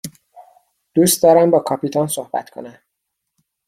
دوست دارم با کاپیتان صحبت کنم.